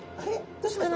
どうしました？